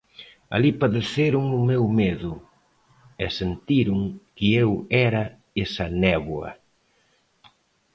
Alí padeceron o meu medo, e sentiron que eu era esa néboa.